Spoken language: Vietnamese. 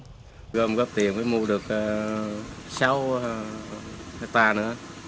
gồm góp tiền mới mua được sáu hectare nữa